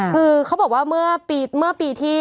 คือเขาบอกว่าเมื่อปีที่